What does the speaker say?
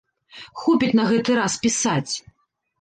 Хопіць на гэты раз пісаць.